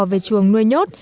về chuồng nuôi nhốt